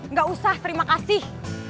gak usah terima kasih